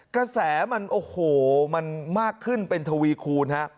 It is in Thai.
กระแสมันมากขึ้นเป็นทวีคูณ